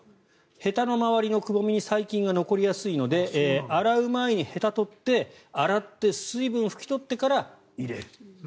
へたの周りのくぼみに細菌が残りやすいので洗う前にへたを取って洗って水分をふき取ってから入れると。